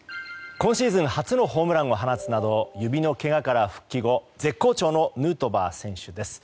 今シーズン初のホームランを放つなど指のけがから復帰後絶好調のヌートバー選手です。